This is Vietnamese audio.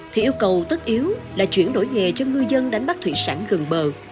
thì yêu cầu tất yếu là chuyển đổi nghề cho ngư dân đánh bắt thủy sản gần bờ